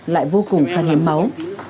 lại vô cùng khăn hiếm máu